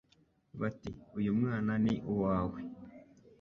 Bati uyu mwana ni uwawe